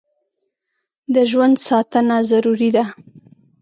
د ژوند ساتنه ضروري ده.